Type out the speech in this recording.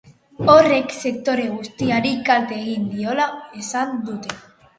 Horrek sektore guztiari kalte egingo diola esan dute.